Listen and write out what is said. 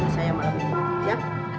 saya melakukan ya